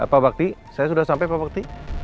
pak bakti saya sudah sampai pak bakti